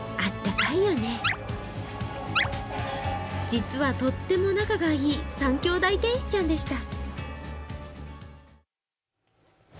実はとっても仲がいい３兄弟天使ちゃんたちでした。